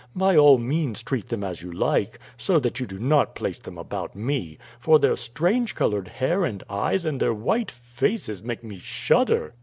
By all means treat them as you like, so that you do not place them about me, for their strange colored hair and eyes and their white faces make me shudder."